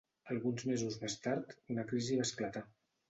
Alguns mesos més tard una crisi va esclatar.